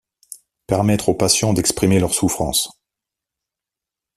Permettre aux patients d'exprimer leur souffrance.